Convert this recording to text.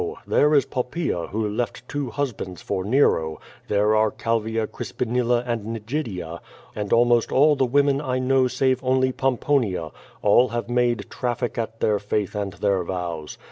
there is Poppaea who left two husbands for Nero, there are Calvia Crispinilla and Nigidia, and almost all the women I know save only Pomponia, all have made traffic at their faith and their vows.